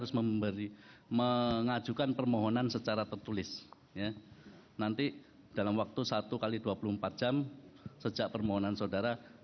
sebelum mengajukan sikap saudara